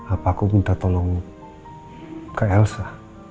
apa aku minta tolong ke elsa